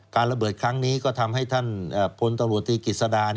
ระเบิดครั้งนี้ก็ทำให้ท่านพลตำรวจตีกิจสดา